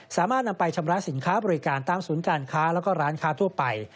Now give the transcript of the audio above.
สามารถนำไปชำระสินค้าบริการตามศูนย์การค้าแล้วก็ร้านค้าทั่วไป